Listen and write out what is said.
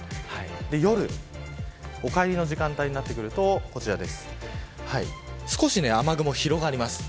夜、お帰りの時間帯になるとこちら少し雨雲が広がります。